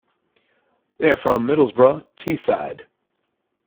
They are from Middlesbrough, Teesside.